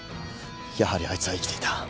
やはりあいつは生きていた。